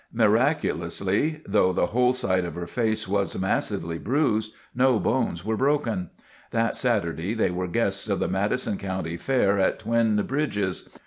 Miraculously, though the whole side of her face was massively bruised, no bones were broken. That Saturday they were guests of the Madison County Fair at Twin Bridges.